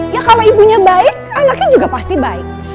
ya kalau ibunya baik anaknya juga pasti baik